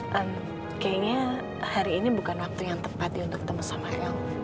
kayaknya hari ini bukan waktu yang tepat ya untuk ketemu sama helm